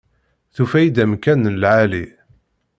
Tufa-yi-d amkan n lεali.